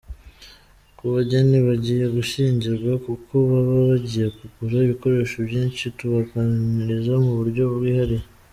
Ku bageni bagiye gushyingirwa kuko baba bagiye kugura ibikoresho byinshi, tubagabanyiriza mu buryo bwihariye.